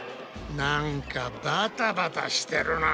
なんかバタバタしてるな。